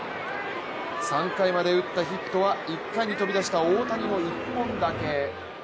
３回まで、打ったヒットは１回に飛び出した大谷の１本だけ。